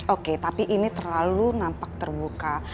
oke tapi ini terlalu nampak terbuka